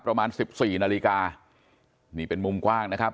ประมาณสิบสี่นาฬิกานี่เป็นมุมกว้างนะครับ